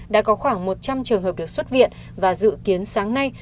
đã có khoảng một trăm linh trường hợp được xuất viện và dự kiến sáng nay